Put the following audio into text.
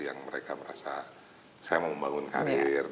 yang mereka merasa saya mau membangun karir